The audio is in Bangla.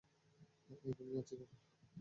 এই, ঘুমিয়েছি কেবল।